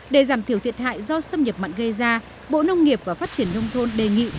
để giảm thiểu thiệt hại do xâm nhập mặn gây ra bộ nông nghiệp và phát triển nông thôn đề nghị